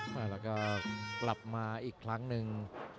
แล้วก็กลับมาอีกครั้งหนึ่ง